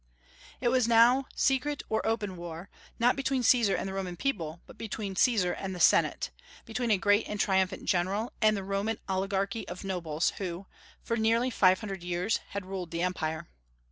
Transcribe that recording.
It was now secret or open war, not between Caesar and the Roman people, but between Caesar and the Senate, between a great and triumphant general and the Roman oligarchy of nobles, who, for nearly five hundred years, had ruled the Empire.